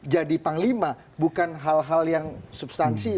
jadi panglima bukan hal hal yang substansi